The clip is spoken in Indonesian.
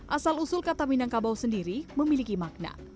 asal usul kata minangkabau sendiri memiliki makna